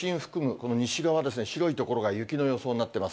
この西側、白い所が雪の予想になってます。